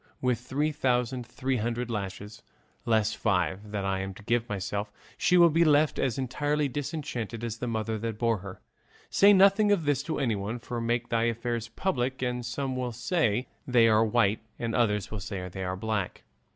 With three thousand three hundred lashes, less five, that I'm to give myself, she will be left as entirely disenchanted as the mother that bore her. Say nothing of this to anyone; for, make thy affairs public, and some will say they are white and others will say they are black.